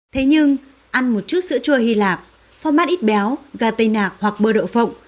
thế nhưng ăn một chút sữa chua hy lạp format ít béo gà tây nạc hoặc bơ đậu phộng